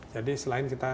jadi selain kita